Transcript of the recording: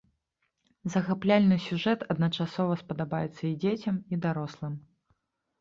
Захапляльны сюжэт адначасова спадабаецца і дзецям, і дарослым.